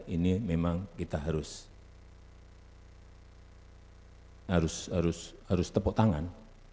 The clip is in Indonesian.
ini memang kita harus tepuk tangan